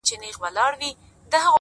د ښار د تقوا دارو ملا هم دی خو ته نه يې-